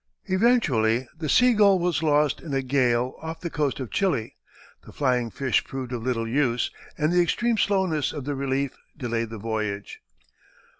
Eventually the Sea Gull was lost in a gale off the coast of Chili, the Flying Fish proved of little use, and the extreme slowness of the Relief delayed the voyage.